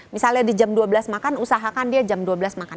misalnya di jam dua belas makan usahakan dia jam dua belas makan